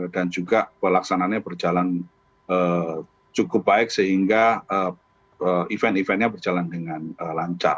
dan juga pelaksananya berjalan cukup baik sehingga event eventnya berjalan dengan lancar